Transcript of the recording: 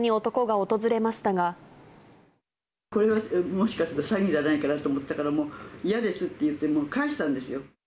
これはもしかすると詐欺じゃないかなと思ったから、もう嫌ですって言って、帰したんですよ。